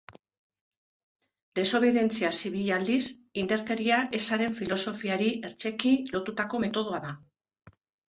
Desobedientzia zibila aldiz, indarkeria ezaren filosofiari hertsiki lotutako metodoa da.